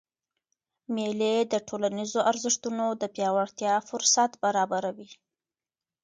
مېلې د ټولنیزو ارزښتونو د پیاوړتیا فُرصت برابروي.